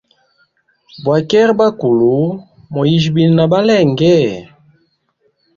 Bwakeli bakulu, moyijya bini nabalenge?